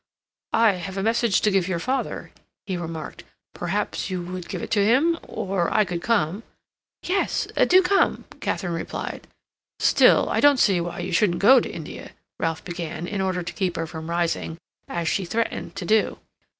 "I have a message to give your father," he remarked. "Perhaps you would give it him, or I could come—" "Yes, do come," Katharine replied. "Still, I don't see why you shouldn't go to India," Ralph began, in order to keep her from rising, as she threatened to do.